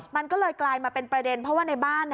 มันก็เลยกลายมาเป็นประเด็นเพราะว่าในบ้าน